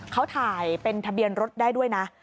เขาถ่ายเป็นทะเบียนรถได้ด้วยนะ